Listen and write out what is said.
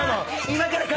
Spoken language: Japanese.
今から。